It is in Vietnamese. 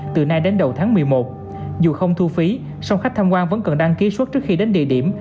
từ nay đến đầu tháng một mươi một dù không thu phí song khách tham quan vẫn cần đăng ký suốt trước khi đến địa điểm